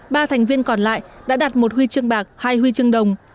ba thành viên còn lại đã đạt một huy chương bạc hai huy chương đồng